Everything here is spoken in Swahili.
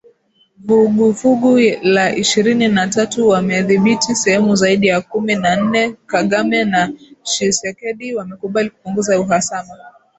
Vuguvugu la Ishirini na tatu wamedhibithi sehemu zaidi ya kumi na nne, Kagame na Tshisekedi wamekubali kupunguza uhasama